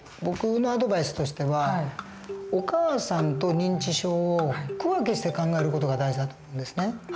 僕のアドバイスとしてはお母さんと認知症を区分けして考える事が大事だと思うんですね。